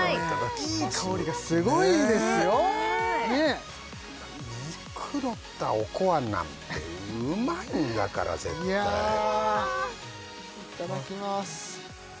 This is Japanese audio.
いい香りがすごいですよねぇ肉のったおこわなんてうまいんだから絶対いやいただきます